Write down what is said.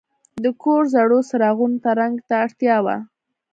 د کور زړو څراغونو ته رنګ ته اړتیا وه.